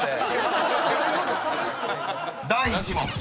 ［第１問］